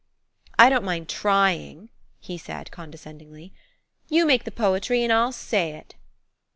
"I don't mind trying," he said, condescendingly; "you make the poetry and I'll say it."